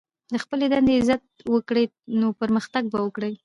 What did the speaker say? د خپلي دندې عزت وکړئ، نو پرمختګ به وکړئ!